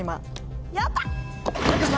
やった！